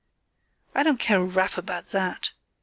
"I don't care a rap about that.